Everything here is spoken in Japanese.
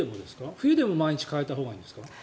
冬でも毎日替えたほうがいいんですか？